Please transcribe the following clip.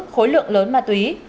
khối lượng lớn ma túy